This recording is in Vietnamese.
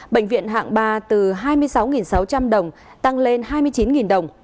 bệnh viện hạng ba từ hai mươi sáu sáu trăm linh đồng tăng lên hai mươi chín đồng